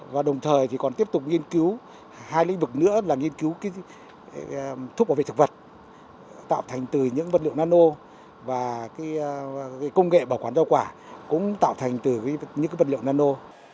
và đồng thời còn tiếp tục nghiên cứu hai lĩnh vực nữa là nghiên cứu thuốc bảo vệ thực vật tạo thành từ những vật liệu nano và công nghệ bảo quản rau quả cũng tạo thành từ những vật liệu nano